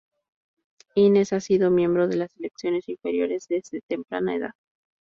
Hines ha sido miembro de las selecciones inferiores de desde temprana edad.